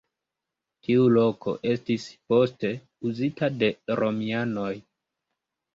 Tiu loko estis poste uzita de romianoj.